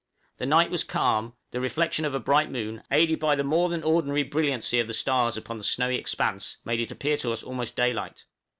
The night was calm; the reflection of a bright moon, aided by the more than ordinary brilliancy of the stars upon the snowy expanse, made it appear to us almost daylight.